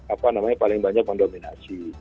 apa namanya paling banyak mendominasi